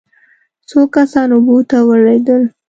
څو کسان اوبو ته ولوېدل.